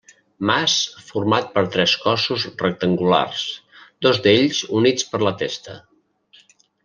Mas format per tres cossos rectangulars, dos d'ells units per la testa.